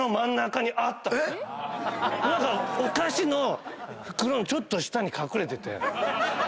何かお菓子の袋のちょっと下に隠れてて。